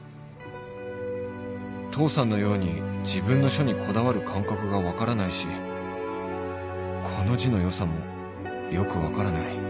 父さんのように自分の書にこだわる感覚が分からないしこの字の良さもよく分からない